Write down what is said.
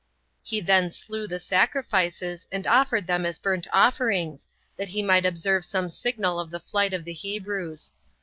He then slew the sacrifices, and offered them as burnt offerings, that he might observe some signal of the flight of the Hebrews.